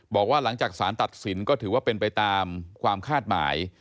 บอกว่าหลังจากสารตัดสินก็ถือว่าเป็นไปตามความคาดหมาย